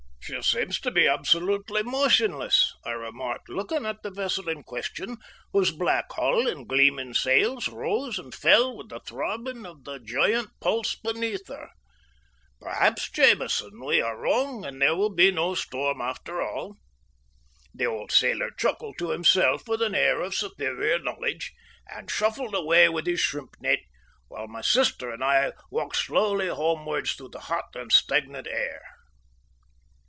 "She seems to be absolutely motionless," I remarked, looking at the vessel in question, whose black hull and gleaming sails rose and fell slowly with the throbbing of the giant pulse beneath her. "Perhaps, Jamieson, we are wrong, and there will be no storm after all." The old sailor chuckled to himself with an air of superior knowledge, and shuffled away with his shrimp net, while my sister and I walked slowly homewards through the hot and stagnant air.